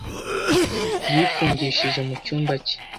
yifungishije mu cyumba cye.